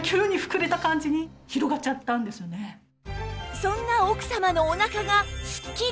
そんな奥様のお腹がすっきり！